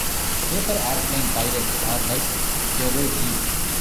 Paper airplane pilots are like JerroG.